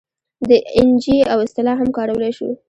د این جي او اصطلاح هم کارولی شو.